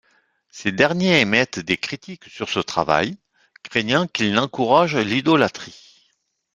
Ces derniers émettent des critiques sur ce travail, craignant qu'il n'encourage l'idolâtrie.